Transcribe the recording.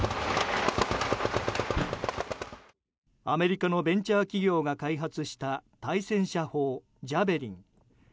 アメリカのベンチャー企業が開発した対戦車砲「ジャベリン」。